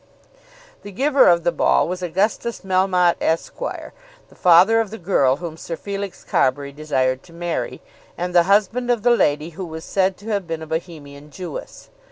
The giver of the ball was Augustus Melmotte, Esq., the father of the girl whom Sir Felix Carbury desired to marry, and the husband of the lady who was said to have been a Bohemian Jewess.